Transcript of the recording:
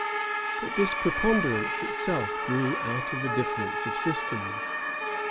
But this preponderance itself grew out of a difference of systems.